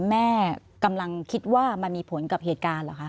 แม่กำลังคิดว่ามันมีผลกับเหตุการณ์เหรอคะ